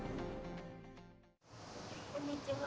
こんにちは。